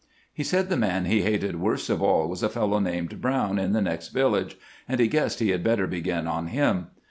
He said the man he hated worst of all was a fellow named Brown, in the next village, and he guessed he had better begin on him.